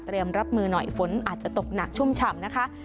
รับมือหน่อยฝนอาจจะตกหนักชุ่มฉ่ำนะคะ